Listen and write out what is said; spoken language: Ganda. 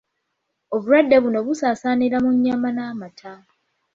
Obulwadde buno busaasaanira mu nnyama n'amata